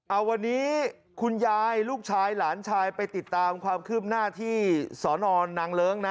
เอาวันนี้คุณยายลูกชายหลานชายไปติดตามความคืบหน้าที่สอนอนนางเลิ้งนะ